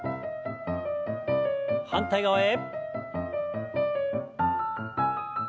反対側へ。